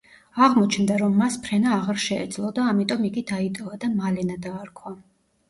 აღმოჩნდა, რომ მას ფრენა აღარ შეეძლო და ამიტომ იგი დაიტოვა და მალენა დაარქვა.